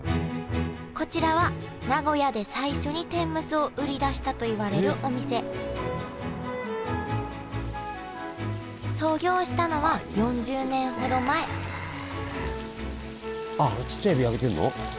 こちらは名古屋で最初に天むすを売り出したといわれるお店創業したのは４０年ほど前あっあのちっちゃいエビ揚げてんの？